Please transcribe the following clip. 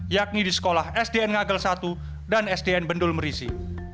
yakni di sekolah sdn ngagel satu dan sdn bendul merisi